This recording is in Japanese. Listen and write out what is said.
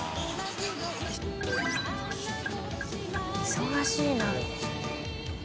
忙しいな。